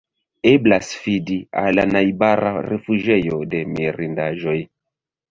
Eblas fidi al la najbara rifuĝejo de Mirindaĵoj.